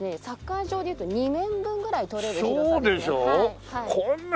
サッカー場でいうと２面分ぐらい取れる広さですね。